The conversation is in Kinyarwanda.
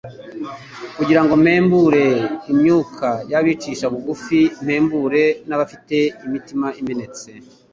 kugira ngo mpembure imyuka y’abicisha bugufi, mpembure n’abafite imitima imenetse